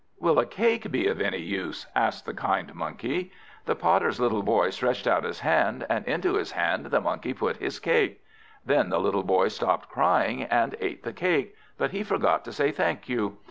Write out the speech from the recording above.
"Will a cake be of any use?" asked the kind Monkey. The Potter's little Boy stretched out his hand, and into his hand the Monkey put his cake. Then the little Boy stopped crying, and ate the cake, but he forgot to say thank you.